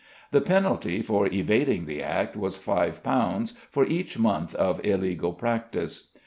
The penalty for evading the Act was £5 for each month of illegal practice.